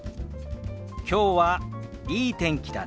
きょうはいい天気だね。